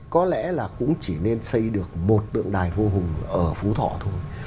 có lẽ là cũng chỉ nên xây được một tượng đài vua hùng ở phú thọ thôi